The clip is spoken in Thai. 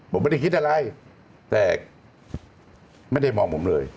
ผมไม่ได้คิดอะไรแต่ไม่ได้มองผมเลย